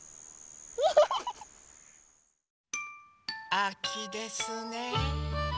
あきですね。